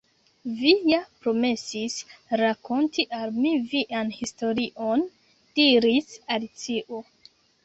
"Vi ja promesis rakonti al mi vian historion," diris Alicio.